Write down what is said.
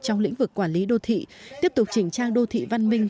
trong lĩnh vực quản lý đô thị tiếp tục chỉnh trang đô thị văn minh